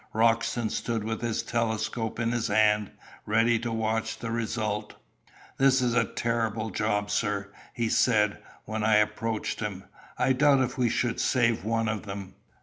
Roxton stood with his telescope in his hand, ready to watch the result. "This is a terrible job, sir," he said when I approached him; "I doubt if we shall save one of them."